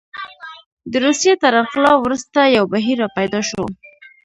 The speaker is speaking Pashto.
د روسیې تر انقلاب وروسته یو بهیر راپیدا شو.